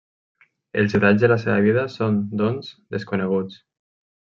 Els detalls de la seva vida són, doncs, desconeguts.